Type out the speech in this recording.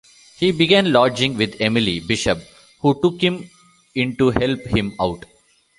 He began lodging with Emily Bishop who took him in to help him out.